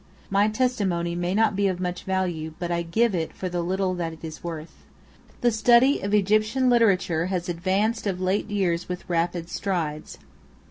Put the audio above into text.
My testimony may not be of much value; but I give it for the little that it is worth. The study of Egyptian literature has advanced of late years with rapid strides.